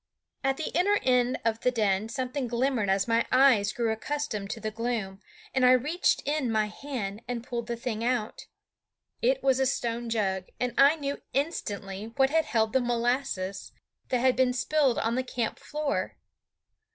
At the inner end of the den something glimmered as my eyes grew accustomed to the gloom, and I reached in my hand and pulled the thing out. It was a stone jug, and I knew instantly what had held the molasses that had been spilled on the camp floor.